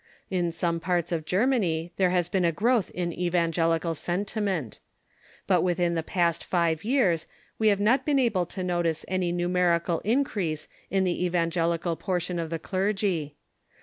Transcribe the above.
In some parts of Germany there has been a growth in evangel ical sentiment. But within the past five years Ave have not been able to notice any numerical increase in the evangel ical portion of the clergy.